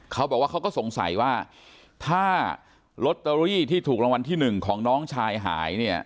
เขาบอกว่าเขาก็สงสัยว่าถ้าลอตเตอรี่ที่ถูกรางวัลที่หนึ่งของน้องชายหายเนี่ย